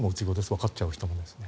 わかっちゃう人も。